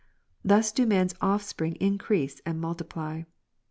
Thus do man's offspring increase and multiply.